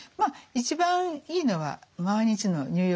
一番いいのは毎日の入浴ですよね。